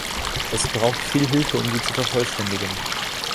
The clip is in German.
Es braucht viel Hilfe, um sie zu vervollständigen.